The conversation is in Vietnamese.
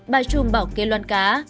bà trùm bảo kê loan cá